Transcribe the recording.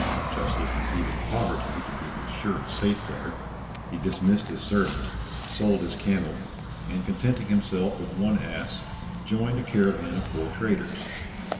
Justly conceiving poverty to be his surest safe guard, he dismissed his servant, sold his camel, and contenting himself with one ass, joined a caravan of poor traders.